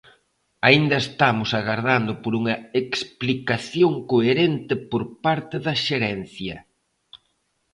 Aínda estamos agardando por unha explicación coherente por parte da Xerencia.